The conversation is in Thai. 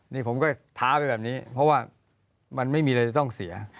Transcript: นี่ผมก็ท้าไปแบบนี้เพราะว่ามันไม่มีอะไรจะต้องเสีย